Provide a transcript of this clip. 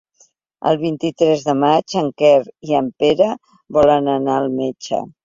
El vint-i-tres de maig en Quer i en Pere volen anar al metge.